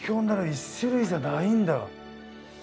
１種類じゃないんだ。